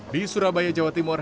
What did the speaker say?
di surabaya jawa timur